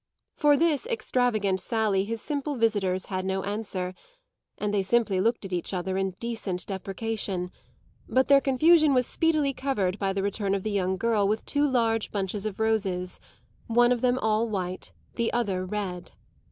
For this extravagant sally his simple visitors had no answer, and they simply looked at each other in decent deprecation; but their confusion was speedily covered by the return of the young girl with two large bunches of roses one of them all white, the other red.